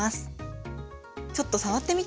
ちょっと触ってみて。